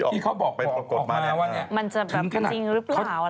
ที่เขาบอกมาว่านะมันจะแบบเป็นจริงหรือเปล่า